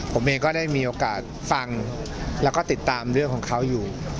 ผมเองก็ได้มีโอกาสฟังแล้วก็ติดตามเรื่องของเขาอยู่